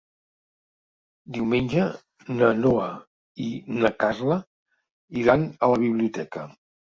Diumenge na Noa i na Carla iran a la biblioteca.